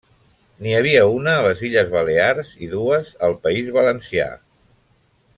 N'hi havia una a les Illes Balears i dues al País Valencià.